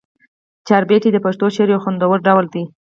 چهاربیتې د پښتو شعر یو خوندور ډول دی.